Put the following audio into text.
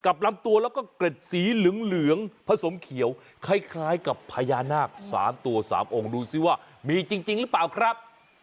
กับลำตัวแล้วก็เกร็ดสีเหลืองเหลืองผสมเขียวคล้ายคล้ายกับพญานาคสามตัวสามองค์ดูซิว่ามีจริงจริงหรือเปล่าครับ